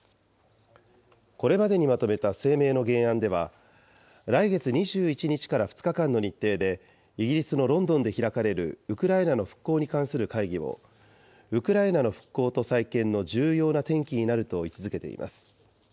これまでにまとめた声明の原案では、来月２１日から２日間の日程でイギリスのロンドンで開かれるウクライナの復興に関する会議を、ウクライナの復興と再建の重要な転機になると位置づけています。